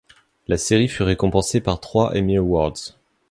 La série fut récompensée par trois Emmy Awards.